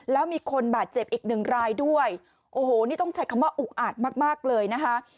แล้วมีคนบาดเจ็บอีกหนึ่งรายด้วยโอ้โหนี่ต้องใช้คำว่าอุกอาจมากมากเลยนะคะ